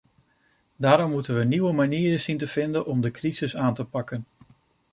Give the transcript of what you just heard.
Daarom moeten we nieuwe manieren zien te vinden om de crisis aan te pakken.